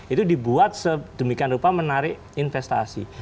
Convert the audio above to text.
itu dibuat sedemikian rupa menarik investasi